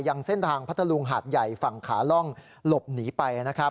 ยังเส้นทางพัทธลุงหาดใหญ่ฝั่งขาล่องหลบหนีไปนะครับ